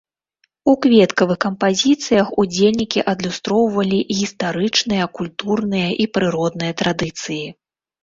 У кветкавых кампазіцыях ўдзельнікі адлюстроўвалі гістарычныя, культурныя і прыродныя традыцыі.